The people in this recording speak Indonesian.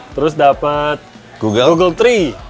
terus dapat google google tiga